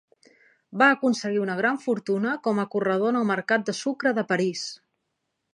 Va aconseguir una gran fortuna com a corredor en el mercat de sucre de París.